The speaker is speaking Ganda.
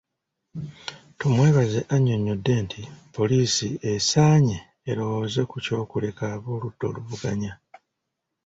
Tumwebaze annyonnyodde nti poliisi esaanye erowooze ku ky'okuleka ab'oludda oluvuganya.